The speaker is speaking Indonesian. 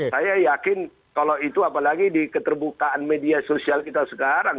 saya yakin kalau itu apalagi di keterbukaan media sosial kita sekarang